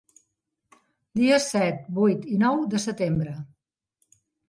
Dies set, vuit i nou de setembre.